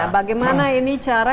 bagaimana ini cara